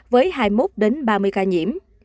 với hai mươi một ba mươi ca nhiễm